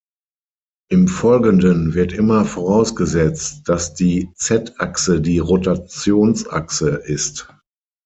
Im Folgenden wird immer vorausgesetzt, dass die "z-Achse die Rotationsachse" ist.